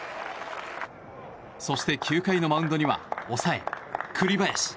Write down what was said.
そして９回のマウンドには抑え、栗林。